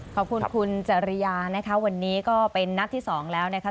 ขอบคุณคุณจริยานะคะวันนี้ก็เป็นนัดที่สองแล้วนะคะ